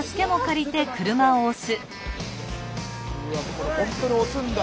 これ本当に押すんだ。